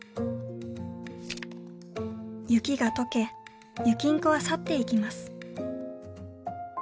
「雪が解けゆきんこは去っていきます」。